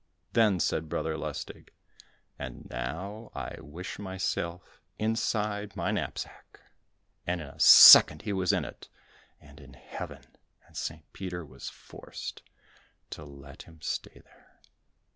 Then said Brother Lustig, "And now I wish myself inside my knapsack," and in a second he was in it, and in Heaven, and St. Peter was forced to let him stay there.